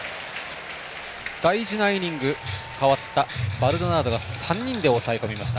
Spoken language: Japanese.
大事なイニング代わったバルドナードが３人で抑え込みました。